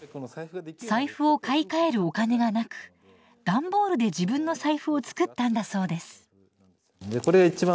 財布を買い替えるお金がなく段ボールで自分の財布を作ったんだそうです。